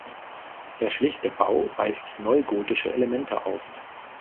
Der schlichte Bau weist neugotische Elemente auf.